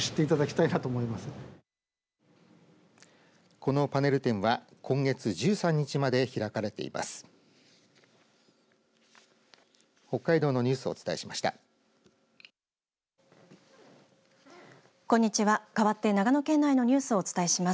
このパネル展は今月１３日まで開かれています。